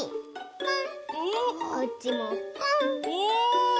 ポン！